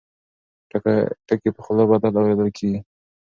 ټکي په خوله بدل اورېدل کېږي.